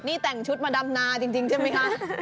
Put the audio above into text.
นี่แต่งชุดมาดำนาจริงใช่ไหมคะ